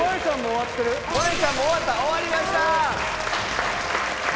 終わりました。